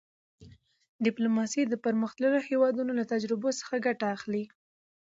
ډیپلوماسي د پرمختللو هېوادونو له تجربو څخه ګټه اخلي.